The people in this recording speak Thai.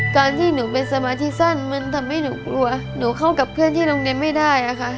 การที่หนูเป็นสมาธิสั้นมันทำให้หนูกลัวหนูเข้ากับเพื่อนที่โรงเรียนไม่ได้ค่ะ